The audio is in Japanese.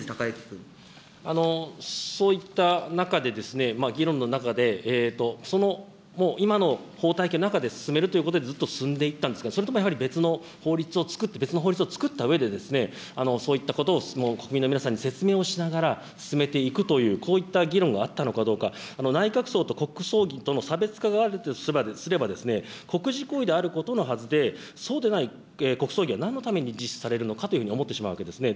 そういった中で、議論の中で、その、もう今の法体系の中で進めるということで、ずっと進んでいったんですか、それともやはり別の法律を作って、別の法律を作ったうえで、そういったことを国民の皆さんに説明をしながら進めていくという、こういった議論があったのかどうか、内閣葬と国葬儀との差別化があるとすれば、国事行為であることのあるはずで、そうでない国葬儀はなんのために実施されるのかというふうに思ってしまうわけですね。